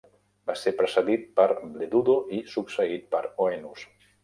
Va ser precedit per Bledudo i succeït per Oenus.